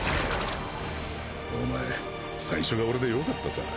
おまえ最初が俺で良かったさ。